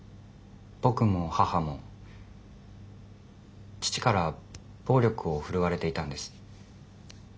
僕も母も父から暴力を振るわれていたんです。